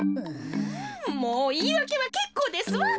もういいわけはけっこうですわ！